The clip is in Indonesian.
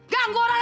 ganggu orang aja